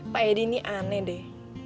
pak edi ini aneh deh